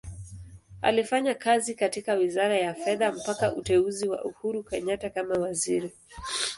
Alifanya kazi katika Wizara ya Fedha mpaka uteuzi wa Uhuru Kenyatta kama Waziri.